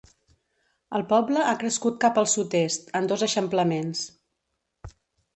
El poble ha crescut cap al sud-est, en dos eixamplaments.